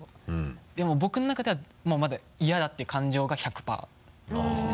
でも僕の中ではまだ嫌だって感情が１００％なんですね。